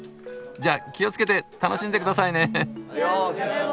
じゃ気をつけて楽しんでくださいね！